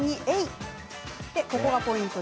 で、ここがポイント。